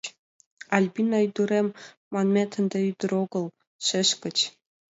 Альбина ӱдырем манмет ынде ӱдырет огыл, шешкыч.